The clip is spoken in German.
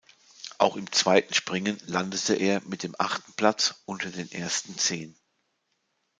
Auch im zweiten Springen landete er mit dem achten Platz unter den ersten Zehn.